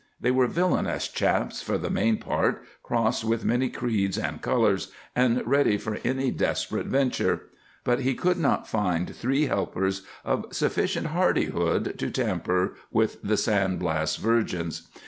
They were villainous chaps, for the main part, crossed with many creeds and colors, and ready for any desperate venture; but he could not find three helpers of sufficient hardihood to tamper with the San Blas virgins.